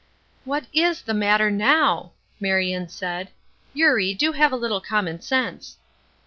"What is the matter now?" Marion said. "Eurie, do have a little common sense."